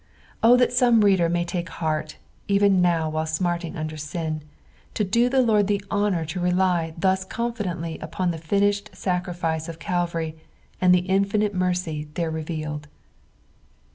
0 that some reader may take heart, even now while smarting under sin, to do the Lord the honour to rely thus coik fidently on the finished sacrifice of Calvary and tlie infinite mercy there reveoled.